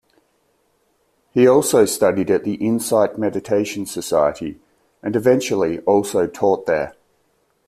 He also studied at the Insight Meditation Society and eventually also taught there.